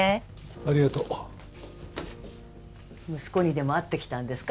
ありがとう息子にでも会ってきたんですか？